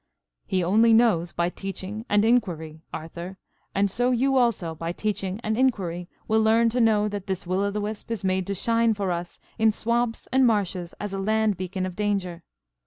"He only knows by teaching and inquiry, Arthur; and so you also by teaching and inquiry will learn to know that this Will o' the Wisp is made to shine for us in swamps and marshes as a land beacon of danger.